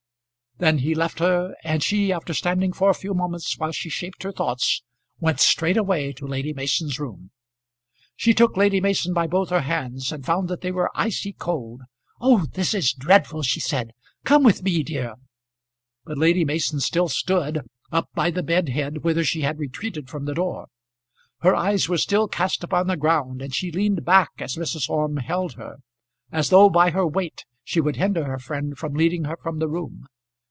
Then he left her; and she, after standing for a few moments while she shaped her thoughts, went straight away to Lady Mason's room. She took Lady Mason by both her hands and found that they were icy cold. "Oh, this is dreadful," she said. "Come with me, dear." But Lady Mason still stood, up by the bed head, whither she had retreated from the door. Her eyes were still cast upon the ground and she leaned back as Mrs. Orme held her, as though by her weight she would hinder her friend from leading her from the room.